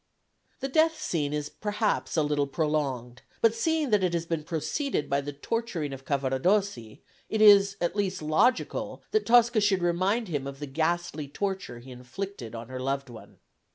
The death scene is perhaps a little prolonged, but seeing that it has been preceded by the torturing of Cavaradossi, it is at least logical that Tosca should remind him of the ghastly torture he inflicted on her loved one.